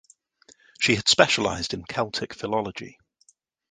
She had specialised in Celtic Philology.